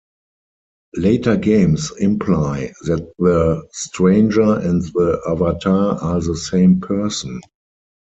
Later games imply that the Stranger and the Avatar are the same person.